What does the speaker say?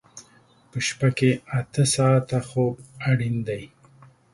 په شپه کې اته ساعته خوب اړین دی.